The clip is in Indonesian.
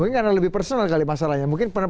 mungkin karena lebih personal kali masalahnya mungkin